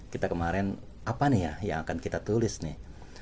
kita kemarin apa nih ya yang akan kita tulis nih